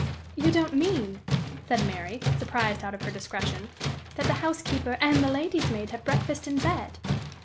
"You don't mean," said Mary, surprised out of her discretion, "that the housekeeper and the lady's maid have breakfast in bed?"